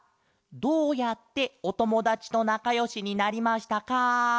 「どうやっておともだちとなかよしになりましたか？」。